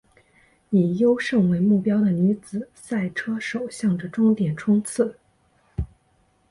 以优胜为目标的女子赛车手向着终点冲刺！